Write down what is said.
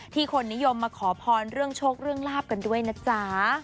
คนนิยมมาขอพรเรื่องโชคเรื่องลาบกันด้วยนะจ๊ะ